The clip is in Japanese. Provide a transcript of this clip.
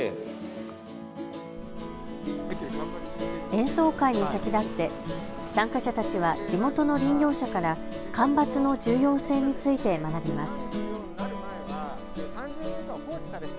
演奏会に先立って参加者たちは地元の林業者から間伐の重要性について学びます。